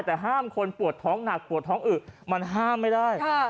แต่ห้ามคนปวดท้องหนักปวดท้องอึมันห้ามไม่ได้